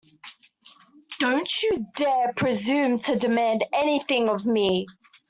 Don't you dare presume to demand anything of me!